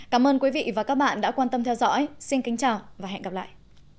cảm ơn các bạn đã theo dõi và hẹn gặp lại